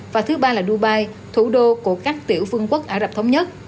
và thứ ba là dubai thủ đô của các tiểu vương quốc ả rập thống nhất